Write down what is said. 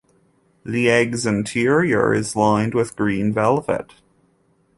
The egg's interior is lined with green velvet.